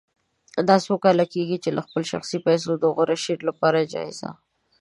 دا څو کاله کېږي چې له خپلو شخصي پیسو د غوره شعر لپاره جایزه